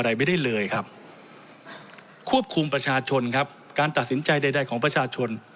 ใดไม่ได้เลยครับควบคุมประชาชนครับการตัดสินใจใดใดของประชาชน